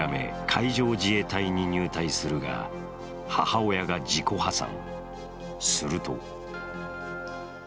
海上自衛隊に入隊するが、母親が自己破産。